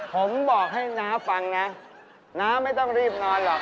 ผมบอกให้น้าฟังนะน้าไม่ต้องรีบนอนหรอก